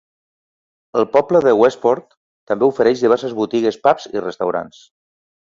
El poble de Westport també ofereix diverses botigues, pubs i restaurants.